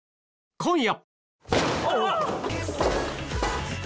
今夜！